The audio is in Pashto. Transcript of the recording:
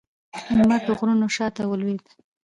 لمر د غرونو شا ته ولوېد